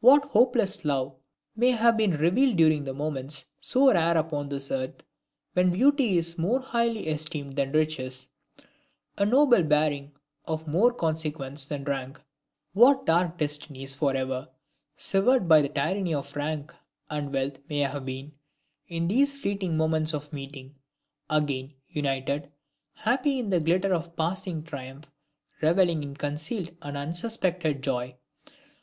What hopeless love may have been revealed during the moments so rare upon this earth; when beauty is more highly esteemed than riches, a noble bearing of more consequence than rank! What dark destinies forever severed by the tyranny of rank and wealth may have been, in these fleeting moments of meeting, again united, happy in the glitter of passing triumph, reveling in concealed and unsuspected joy!